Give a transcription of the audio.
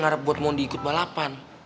ngarep buat mondi ikut balapan